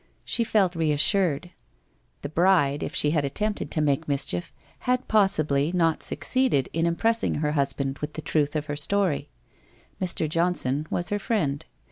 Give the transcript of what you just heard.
She felt reassured. The bride, if she had attempted to make mischief, had possibly not succeeded in impressing her husband with the truth of her story. Mr. Johnson was her friend.